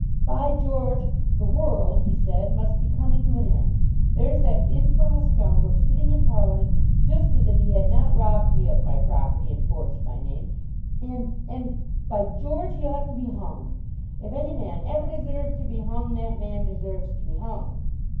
"By George! the world," he said, "must be coming to an end. There's that infernal scoundrel sitting in Parliament just as if he had not robbed me of my property, and forged my name, and and by George! he ought to be hung. If any man ever deserved to be hung, that man deserves to be hung."